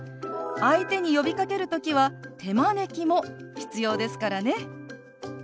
相手に呼びかける時は手招きも必要ですからね。